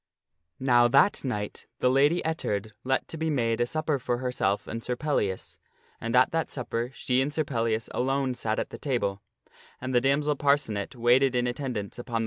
Now that night the Lady Ettard let to be made a supper for herself and Sir Pellias, and at that supper she and Sir Pellias alone sat at the table, Sir Pellias and anc * t ^ ie damsel Parcenet waited in attendance upon the lady.